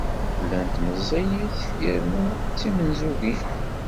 Llant meẓẓiyit yernu d timenzugin.